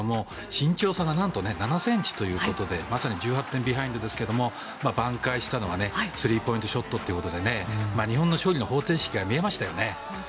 身長差がなんと７ｃｍということでまさに１８点ビハインドですがばん回したのはスリーポイントショットということで日本の勝利の方程式が見えましたよね。